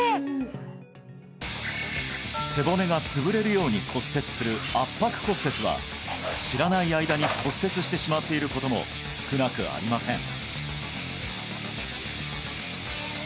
背骨が潰れるように骨折する圧迫骨折は知らない間に骨折してしまっていることも少なくありません